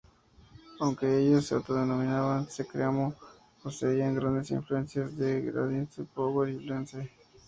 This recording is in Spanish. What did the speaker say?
Aunque ellos se autodenominaban "screamo", poseían grandes influencias de grindcore y power violence.